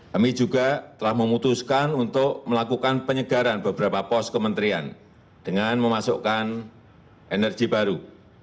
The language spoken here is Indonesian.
kami juga telah memutuskan untuk melakukan penyegaran beberapa pos kementerian dengan memasukkan energi baru